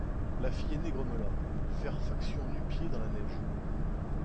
La fille aînée grommela: — Faire faction nu-pieds dans la neige!